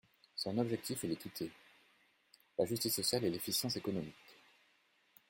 Son objectif est l’équité, la justice sociale et l’efficience économique.